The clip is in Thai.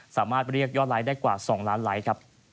สามารถเรียกยอดไลค์ได้กว่า๒ล้านไลค์ครับ